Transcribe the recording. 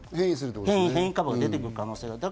変異株が出てくる可能性が。